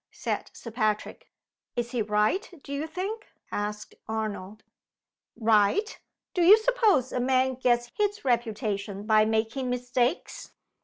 said Sir Patrick. "Is he right, do you think?" asked Arnold. "Right? Do you suppose a man gets his reputation by making mistakes?